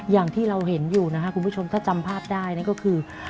อย่างที่เราเห็นอยู่นะครับคุณผู้ชมถ้าจำภาพได้นั่นก็คือ